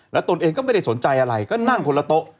แล้วตนเองก็ไม่ได้สนใจอะไรก็นั่งคนละโต๊ะ